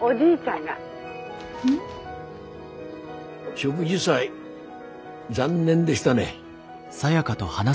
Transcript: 植樹祭残念でしたね。